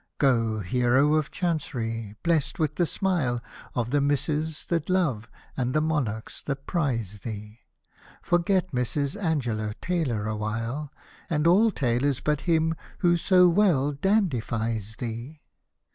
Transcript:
Go, Hero of Chancery, blest with the smile Oi the Misses that love, and the monarchs that prize thee ; Forget Mrs. Ang — lo T — yl — r awhile. And all tailors but him who so well dandifies thee.